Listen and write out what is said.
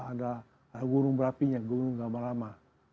ada gunung berapinya gunung gama lama